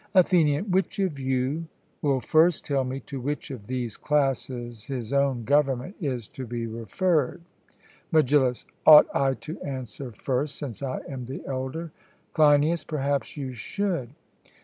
ATHENIAN: Which of you will first tell me to which of these classes his own government is to be referred? MEGILLUS: Ought I to answer first, since I am the elder? CLEINIAS: Perhaps you should.